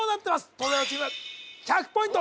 東大王チーム１００ポイント